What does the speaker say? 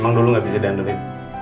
emang dulu ga bisa diandalkin